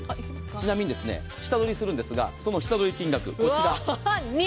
ちなみに、下取りするんですが、下取りの金額はこちら。